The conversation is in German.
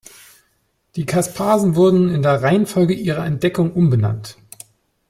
Die Caspasen wurden in der Reihenfolge ihrer Entdeckung umbenannt.